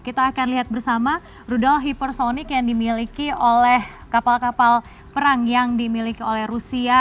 kita akan lihat bersama rudal hipersonic yang dimiliki oleh kapal kapal perang yang dimiliki oleh rusia